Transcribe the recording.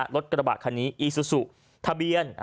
รถกระบะคันนี้อีซูซูทะเบียน